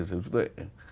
sử dụng chủ tệ